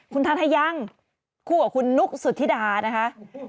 คุณทานทะยังคู่กับคุณนุ๊กสุธิดานะคะ